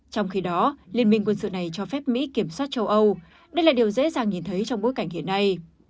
trong khi đó liên minh quân sự này cho phép mỹ kiểm soát châu âu đây là điều dễ dàng nhìn thấy trong bối cảnh hiện nay